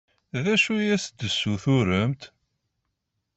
D acu i as-d-tessutremt?